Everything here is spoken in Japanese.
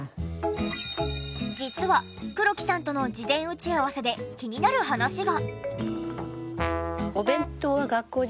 実は黒木さんとの事前打ち合わせで気になる話が。